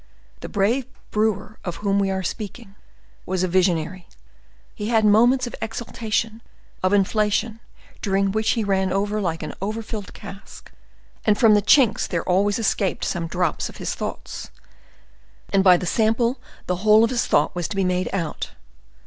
The brave brewer of whom we are speaking, was a visionary; he had moments of exaltation, of inflation, during which he ran over like an over filled cask; and from the chinks there always escaped some drops of his thoughts, and by the sample the whole of his thought was to be made out.